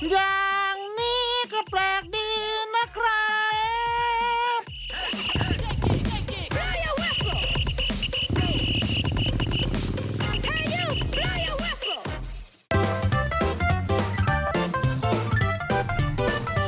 อย่างนี้ก็แปลกดีนะครับ